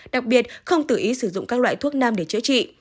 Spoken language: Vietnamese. đặc biệt không tự ý sử dụng các loại thuốc nam để chữa trị